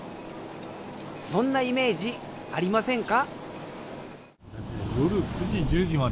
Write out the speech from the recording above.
そんなイメージありませんか？